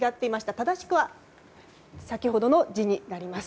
正しくは先ほどの字になります。